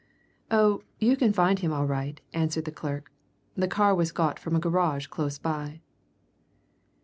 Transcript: "Oh, you can find him all right," answered the clerk. "The car was got from a garage close by."